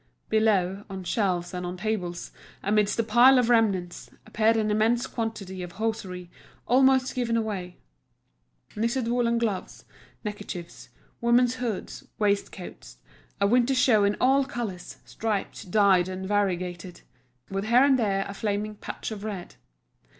Below, on shelves and on tables, amidst a pile of remnants, appeared an immense quantity of hosiery almost given away; knitted woollen gloves, neckerchiefs, women's hoods, waistcoats, a winter show in all colours, striped, dyed, and variegated, with here and there a flaming patch of red.